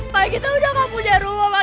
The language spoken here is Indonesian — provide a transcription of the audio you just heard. pak kita udah gak punya rumah pak